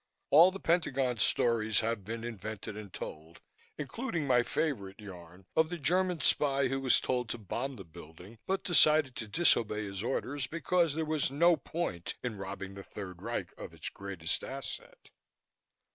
All the Pentagon stories have been invented and told, including my favorite yarn of the German spy who was told to bomb the building but decided to disobey his orders because there was no point in robbing the Third Reich of its greatest asset.